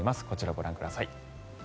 こちらをご覧ください。